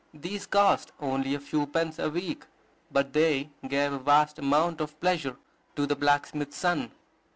These cost only a few pence a week, but they gave a vast amount of pleasure to the blacksmith's son.